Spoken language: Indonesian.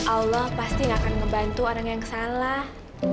allah pasti gak akan ngebantu orang yang salah